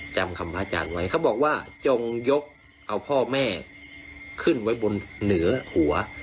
จำคำพระอาจารย์ไว้เขาบอกว่าจงยกเอาพ่อแม่ขึ้นไว้บนเหนือหัว